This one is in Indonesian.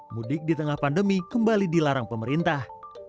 mudik di tengah pandemi kembali dilarang pemerintah